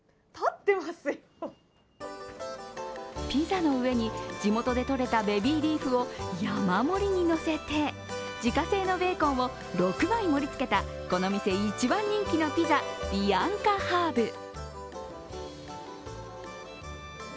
ピザの上に地元でとれたベビーリーフを山盛りに載せて自家製のベーコンを６枚盛りつけたこの店一番人気のピザ、ビアンカハーブ。